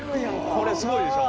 これすごいでしょ！